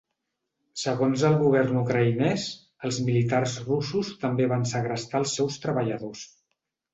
Segons el govern ucraïnès, els militars russos també van segrestar els seus treballadors.